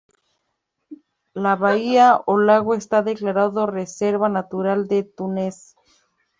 La bahía o lago está declarado reserva natural de Túnez.